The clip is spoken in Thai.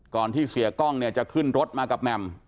ที่เสียกล้องเนี่ยจะขึ้นรถมากับแหม่ม